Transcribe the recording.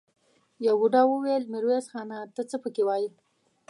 يوه بوډا وويل: ميرويس خانه! ته څه پکې وايې؟